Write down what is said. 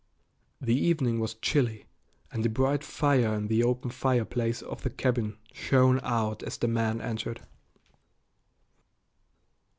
The evening was chilly, and a bright fire in the open fireplace of the cabin shone out as the man entered.